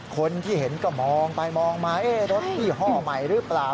คนที่เห็นก็มองไปมองมารถยี่ห้อใหม่หรือเปล่า